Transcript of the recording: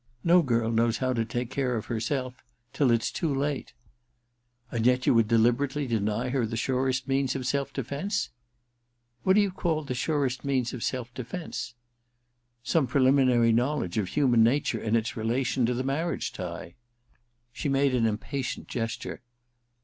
* No girl knows how to take care of herself — till it's too late.' * And yet you would deliberately deny her the surest means of self defence i '* What do you call the' surest means of self defence ?' I THE RECKONING 207 *Some preliminary knowledge of human nature in its relation to the marriage tie.* She made an impatient gesture.